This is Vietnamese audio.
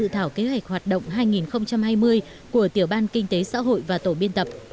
thảo kế hoạch hoạt động hai nghìn hai mươi của tiểu ban kinh tế xã hội và tổ biên tập